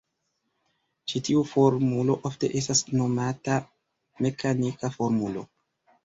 Ĉi tiu formulo ofte estas nomata mekanika formulo.